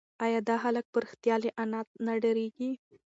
ایا دا هلک په رښتیا له انا نه ډارېږي؟